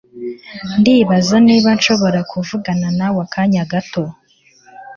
Ndibaza niba nshobora kuvugana nawe akanya gato.